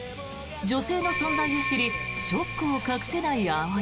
女性の存在を知りショックを隠せない葵。